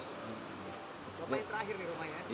bapak yang terakhir nih rumahnya